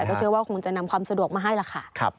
ก็เชื่อว่าคงจะนำความสะดวกมาให้ล่ะค่ะ